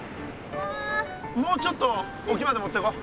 もうちょっとおきまで持ってこう。